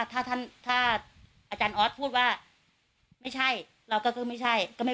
มันจะเป็นไปได้ไงมันไม่มีไง